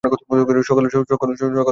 সকালে কুয়াশা পড়ে।